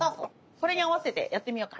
これに合わせてやってみようか。